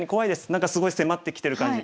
何かすごい迫ってきてる感じ。